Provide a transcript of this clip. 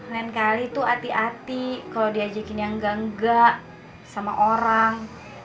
lain kali tuh hati hati kalo diajakin yang engga engga sama orang